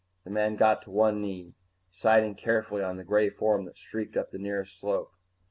The man got to one knee, sighting carefully on the gray form that streaked up the nearest slope.